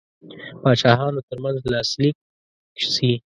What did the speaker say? پاچاهانو ترمنځ لاسلیک سي.